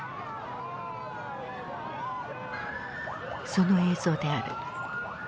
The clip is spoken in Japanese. その映像である。